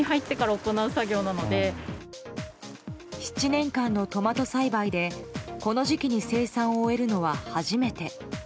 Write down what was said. ７年間のトマト栽培でこの時期に生産を終えるのは初めて。